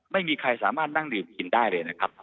ไม่มีใครสามารถนั่งดื่มกินได้เลยนะครับ